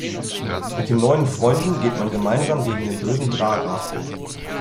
Mit den neuen Freunden geht man gemeinsam gegen den bösen Dra-Dra vor.